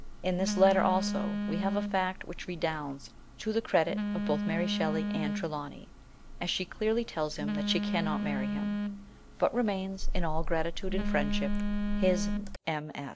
In this letter, also, we have a fact which redounds to the credit of both Mary Shelley and Trelawny, as she clearly tells him she cannot marry him ; but remains in " all gratitude and friendship " his M.